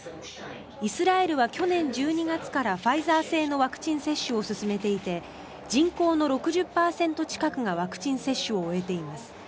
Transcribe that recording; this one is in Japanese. イスラエルは去年１２月からファイザー製のワクチン接種を進めていて、人口の６０％近くがワクチン接種を終えています。